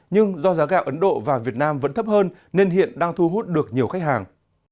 nhưng do giá gạo ấn độ và việt nam vẫn thấp hơn nên hiện đang thu hút được nhiều khách hàng